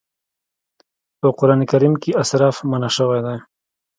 په قرآن کريم کې اسراف منع شوی دی.